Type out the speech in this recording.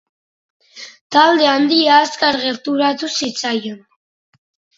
Talde handia azkar gerturatu zitzaion.